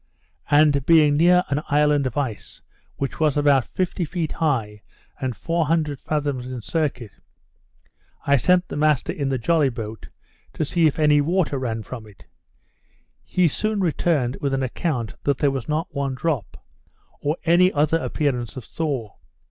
And being near an island of ice, which was about fifty feet high, and 400 fathoms in circuit, I sent the master in the jolly boat to see if any water run from it. He soon returned with an account that there was not one drop, or any other appearance of thaw.